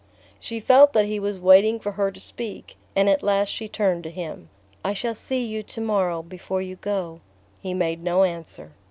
She felt that he was waiting for her to speak, and at last she turned to him. "I shall see you to morrow before you go..." He made no answer.